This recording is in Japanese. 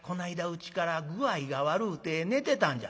うちから具合が悪うて寝てたんじゃ」。